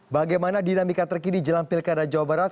bagaimana dinamika terkini jelang pilkada jawa barat